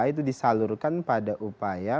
itu disalurkan pada upaya